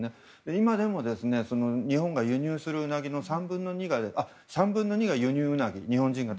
今でも日本が輸入するウナギの３分の２が輸入なんです。